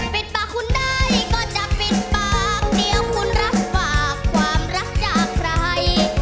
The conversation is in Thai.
ปิดปากคุณได้ก็จะปิดปากเดี๋ยวคุณรับฝากความรักจากใคร